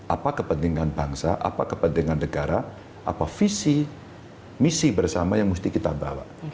apa kepentingan bangsa apa kepentingan negara apa visi misi bersama yang mesti kita bawa